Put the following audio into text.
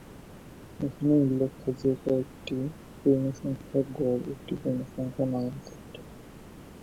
এখানে উল্লেখ্য যে কয়েকটি পূর্ণ সংখ্যার গড় একটি পূর্ণসংখ্যা নাও হতে পারে।